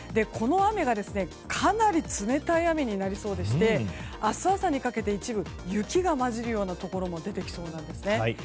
この雨がかなり冷たい雨になりそうでして明日朝にかけて、一部雪が交じるようなところも出てきそうなんですね。